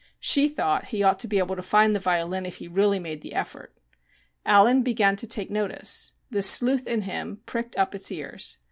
She thought he ought to be able to find the violin if he really made the effort. Allen began to take notice. The sleuth in him pricked up its ears.